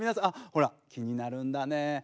あっほら気になるんだね。